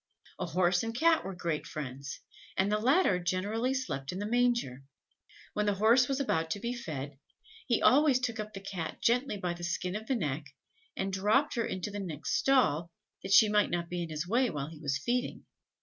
A Horse and Cat were great friends, and the latter generally slept in the manger. When the horse was about to be fed, he always took up the Cat gently by the skin of the neck, and dropped her into the next stall, that she might not be in his way while he was feeding.